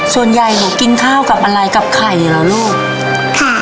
ส่วนใหญ่หนูกินข้าวกับอะไรกับไข่เหรอลูก